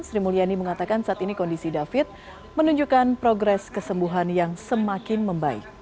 sri mulyani mengatakan saat ini kondisi david menunjukkan progres kesembuhan yang semakin membaik